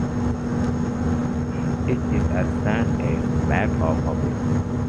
Each is assigned a badge of office.